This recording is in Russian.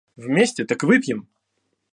Вместе, так выпьем!